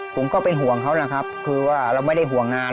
ผมก็เป็นห่วงเขานะครับคือว่าเราไม่ได้ห่วงงาน